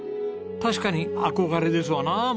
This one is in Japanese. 確かに憧れですわなあ